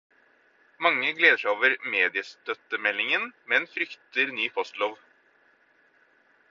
Mange gleder seg over mediestøttemeldingen, men frykter ny postlov.